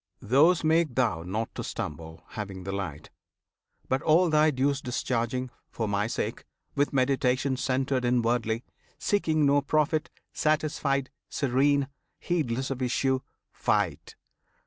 Those make thou not to stumble, having the light; But all thy dues discharging, for My sake, With meditation centred inwardly, Seeking no profit, satisfied, serene, Heedless of issue fight!